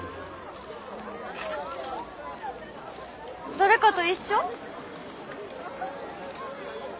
誰かと一緒？